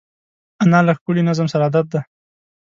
انا له ښکلي نظم سره عادت ده